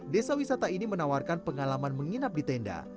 desa wisata ini menawarkan pengalaman menginap di tenda